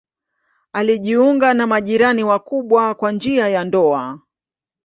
Alijiunga na majirani wakubwa kwa njia ya ndoa.